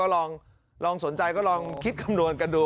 ลองสนใจก็ลองคิดคำนวณกันดู